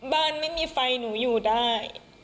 บ้านไม่มีไฟหนูอยู่ได้